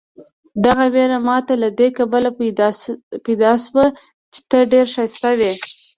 دغه وېره ماته له دې کبله پیدا شوه چې ته ډېر ښایسته وې.